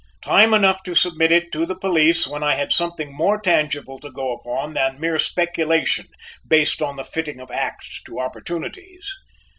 Time enough to submit it to the police when I had something more tangible to go upon than mere speculation based on the fitting of acts to opportunities.